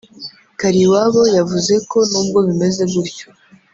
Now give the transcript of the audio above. Kaliwabo yavuze ko nubwo bimeze gutyo